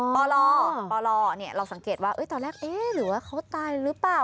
ปลปลเราสังเกตว่าตอนแรกเอ๊ะหรือว่าเขาตายหรือเปล่า